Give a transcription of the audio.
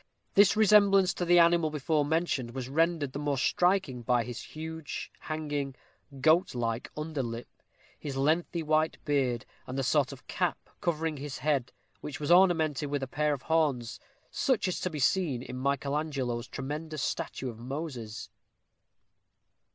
This resemblance to the animal before mentioned was rendered the more striking by his huge, hanging, goat like under lip, his lengthy white beard, and a sort of cap, covering his head, which was ornamented with a pair of horns, such as are to be seen in Michael Angelo's tremendous statue of Moses.